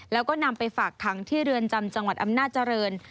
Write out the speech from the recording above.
แล้วก็นำไปฝากขังที่เรือนจำจังหวัดอำนาจริง